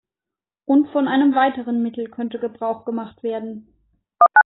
Und von einem weiteren Mittel könnte Gebrauch gemacht werden.